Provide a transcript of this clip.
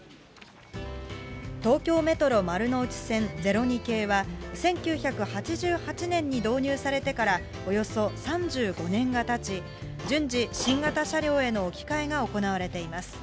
東京メトロ丸の内線０２系は、１９８８年に導入されてからおよそ３５年がたち、順次、新型車両への置き換えが行われています。